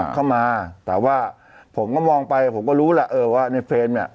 เข้ามาแต่ว่าผมก็มองไปผมก็รู้แหละเออว่าในเฟรมเนี่ย